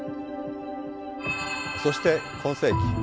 そして今世紀。